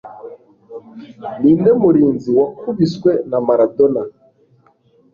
Ninde Murinzi Wakubiswe na Maradona